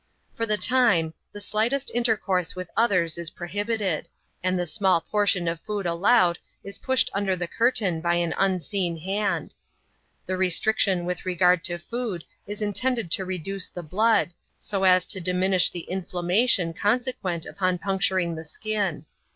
For the time, the slightest ourse with others is prohibited, and the small portion of lUowed, is pushed under the curtain by an unseen hand, •estriction with regard to food, is intended to reduce the 80 as to diminish the inlSammation eoTi«e(\vxsiit ^x^ksol vring the ekin.